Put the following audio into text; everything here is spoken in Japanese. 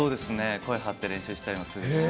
声張って練習したりもするし。